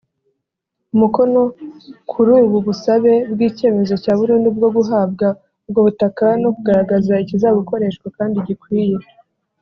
umukono kuri ubu busabe bw’icyemezo cya burundu bwo guhabwa ubwo butaka no kugaragaza icyizabukoreshwa kandi gikwiye.